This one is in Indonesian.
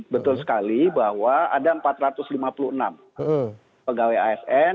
betul sekali bahwa ada empat ratus lima puluh enam pegawai asn